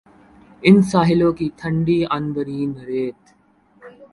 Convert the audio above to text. ان ساحلوں کی ٹھنڈی عنبرین ریت